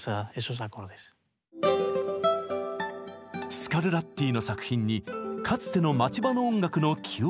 スカルラッティの作品にかつての町場の音楽の記憶を見つけ出す。